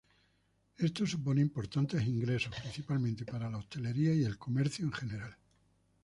Esto supone importantes ingresos, principalmente para la hostelería y el comercio en general.